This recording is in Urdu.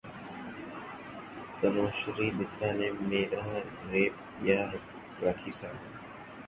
تنوشری دتہ نے میرا ریپ کیا راکھی ساونت